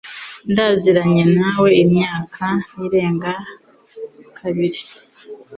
Ndaziranye nawe imyaka irenga kabiri